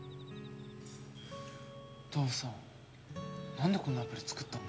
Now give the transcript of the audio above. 父さんなんでこんなアプリ作ったんだろう？